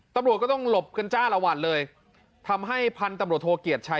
ตำรวจก็ต้องหลบกันจ้าละวันเลยทำให้พันธุ์ตำรวจโทเกียรติชัย